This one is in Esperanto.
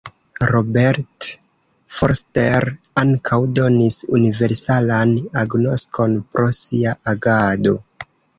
Robert Forster ankaŭ donis universalan agnoskon pro sia agado.